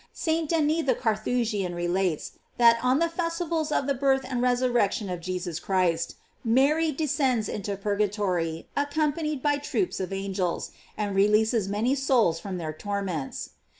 St. Denis the Carthusian relates, that on the festivals of the birth and resurrection of Jesus Christ, Mary descends into purgatory, ac companied by troops of angels, and releases many souls from their torments.